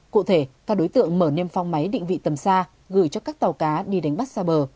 cụ thể các đối tượng mở niêm phong máy định vị tầm xa gửi cho các tàu cá đi đánh bắt xa bờ